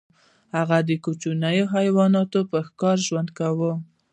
هغه د کوچنیو حیواناتو په ښکار ژوند کاوه.